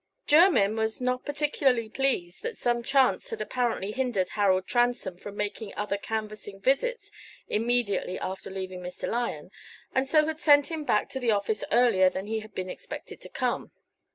Jermyn was not particularly pleased that some chance had apparently hindered Harold Transome from making other canvassing visits immediately after leaving Mr. Lyon, and so had sent him back to the office earlier than he had been expected to come.